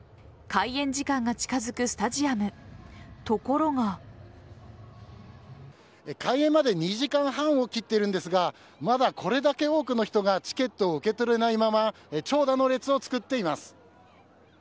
開演まで２時間半を切っているんですがまだ、これだけ多くの人がチケットを受け取れないまま長蛇の列を作っています。